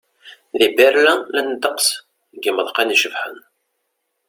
Di Berlin, llan ddeqs n yimeḍqan icebḥen.